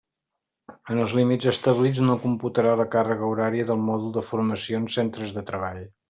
En els límits establits no computarà la càrrega horària del mòdul de Formació en Centres de Treball.